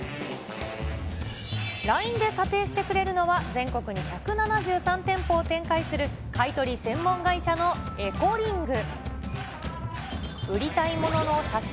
ＬＩＮＥで査定してくれるのは、全国に１７３店舗を展開する買い取り専門会社のエコリング。